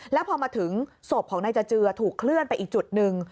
แล้วพอมาถึงศพของนายจเจือถูกเคลื่อนไปอีกจุดหนึ่ง